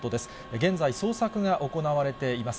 現在、捜索が行われています。